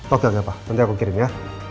oke pak nanti aku kirim ya